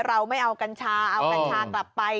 เราไม่เอากัญชาเอากัญชากลับไป